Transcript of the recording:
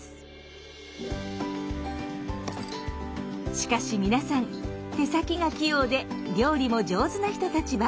しかし皆さん手先が器用で料理も上手な人たちばかり。